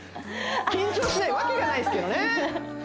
緊張しないわけがないっすけどねね